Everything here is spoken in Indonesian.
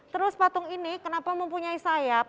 terus patung ini kenapa mempunyai sayap